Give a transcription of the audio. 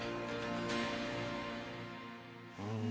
うん。